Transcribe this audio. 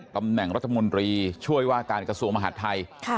ตำแหน่งรัฐมนตรีช่วยว่าการกระทรวงมหาดไทย